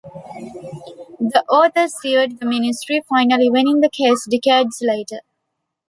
The author sued the Ministry, finally winning the case decades later.